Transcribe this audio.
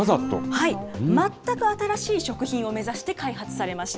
全く新しい食品を目指して開発されました。